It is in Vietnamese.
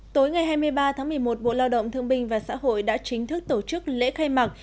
tối ngày hai mươi ba tháng một mươi một bộ lao động thương binh và xã hội đã chính thức tổ chức lễ khai mạc